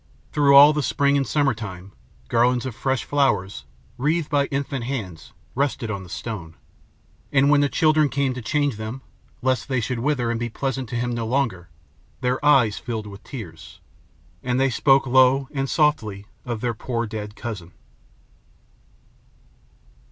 Through all the spring and summertime, garlands of fresh flowers, wreathed by infant hands, rested on the stone; and, when the children came to change them lest they should wither and be pleasant to him no longer, their eyes filled with tears, and they spoke low and softly of their poor dead cousin.